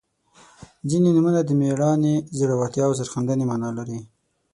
• ځینې نومونه د میړانې، زړورتیا او سرښندنې معنا لري.